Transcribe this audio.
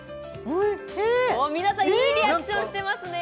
おっ皆さんいいリアクションしてますね